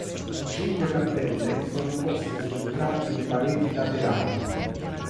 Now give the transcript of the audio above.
Cinque cappelle sono poste su entrambi le pareti laterali.